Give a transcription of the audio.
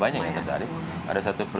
banyak yang tertarik melakukan